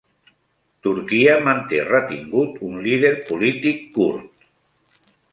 Turquia manté retingut un líder polític kurd